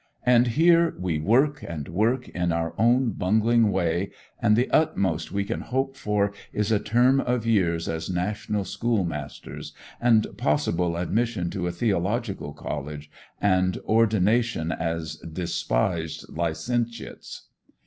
'And here we work and work in our own bungling way, and the utmost we can hope for is a term of years as national schoolmasters, and possible admission to a Theological college, and ordination as despised licentiates.